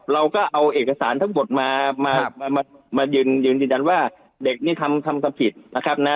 เราก็เอาเอกสารทั้งหมดมามายืนยันว่าเด็กนี่ทำความผิดนะครับนะ